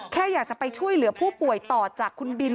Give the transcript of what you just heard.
แค่อยากจะไปช่วยเหลือผู้ป่วยต่อจากคุณบิน